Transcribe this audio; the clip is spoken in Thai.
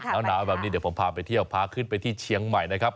แล้วหนาวแบบนี้เดี๋ยวผมพาไปเที่ยวพาขึ้นไปที่เชียงใหม่นะครับ